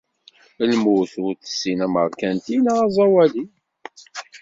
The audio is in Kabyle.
Lmut ur tessin amerkanti neɣ aẓawali.